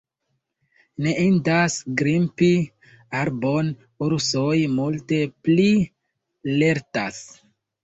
Ne indas grimpi arbon: ursoj multe pli lertas.